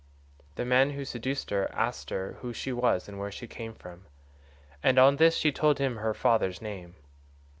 The man who had seduced her asked her who she was and where she came from, and on this she told him her father's name.